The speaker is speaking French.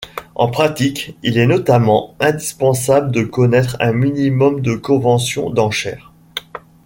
En pratique, il est notamment indispensable de connaître un minimum de conventions d'enchères.